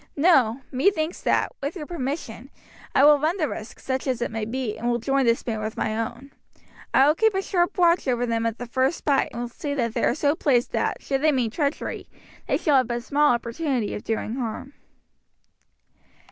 No; methinks that, with your permission, I will run the risk, such as it may be, and will join this band with my own. I will keep a sharp watch over them at the first fight, and will see that they are so placed that, should they mean treachery, they shall have but small opportunity of doing harm."